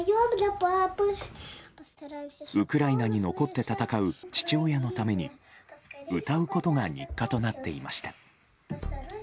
ウクライナに残って戦う父親のために歌うことが日課となっていました。